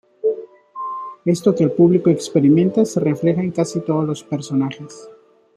Esto que el público experimenta se refleja en casi todos los personajes.